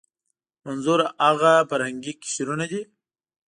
منظور هغه فرهنګي قشرونه دي.